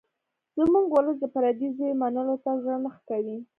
زموږ ولس د پردي زوی منلو ته زړه نه ښه کوي